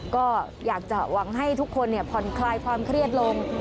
ก็อยากจะหวังให้ทุกคนผ่อนคลายความเครียดลง